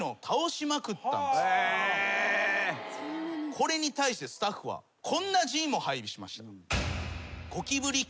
これに対してスタッフはこんな人員も配備しました。